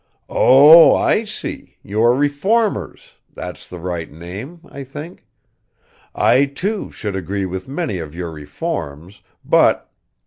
..." "Oh, I see, you are reformers that's the right name, I think. I, too, should agree with many of your reforms, but